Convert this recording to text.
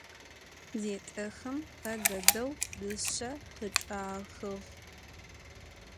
Zêt'exem bededeu dışse khıçç'axığ.